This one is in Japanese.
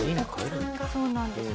そうなんです。